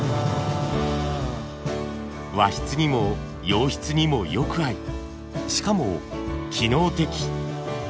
和室にも洋室にもよく合いしかも機能的。